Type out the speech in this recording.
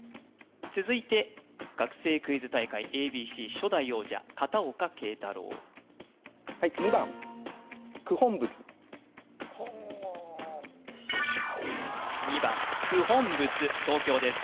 続いて学生クイズ大会「ａｂｃ」初代王者片岡桂太郎２番くほんぶつ東京です